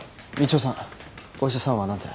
お医者さんは何て？